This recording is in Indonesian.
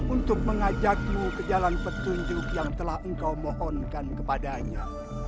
untuk mengajakmu ke jalan petunjuk yang telah engkau mohonkan kepadanya